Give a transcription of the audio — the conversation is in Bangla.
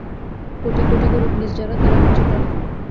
কোটি কোটি গরীব নীচ যারা, তারাই হচ্ছে প্রাণ।